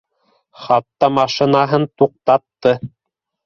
Хатта машинаһын туҡтатты